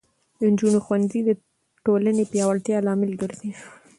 د نجونو ښوونځی د ټولنې پیاوړتیا لامل ګرځي.